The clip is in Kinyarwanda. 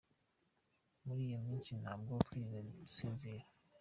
Muri iyo minsi ntabwo twigeze dusinzira”.